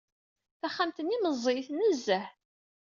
Taxxamt-nni meẓẓiyet nezzeh.